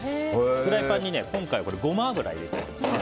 フライパンにゴマ油を入れてあります。